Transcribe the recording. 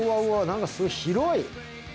何かすごい広い。